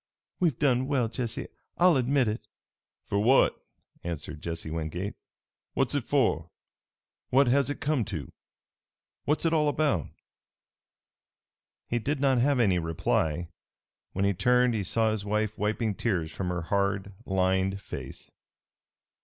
We've done well, Jesse, I'll admit it." "For what?" answered Jesse Wingate. "What's it for? What has it come to? What's it all about?" He did not have any reply. When he turned he saw his wife wiping tears from her hard, lined face.